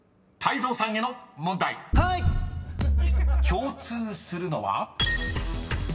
［共通するのは？］